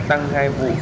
tăng hai vụ